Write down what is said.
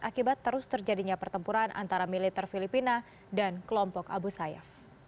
akibat terus terjadinya pertempuran antara militer filipina dan kelompok abu sayyaf